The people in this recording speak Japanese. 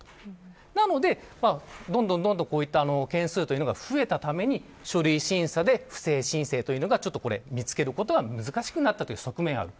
なので、どんどん件数が増えたために書類審査で不正申請を見つけるのが難しくなったという側面があります。